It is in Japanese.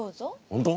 本当？